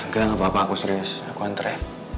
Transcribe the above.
gak gak apa apa aku serius udah aku hantar ya